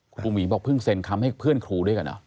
ครูหมีบอกเพิ่งเซ็นคำให้เพื่อนครูด้วยกันเหรอ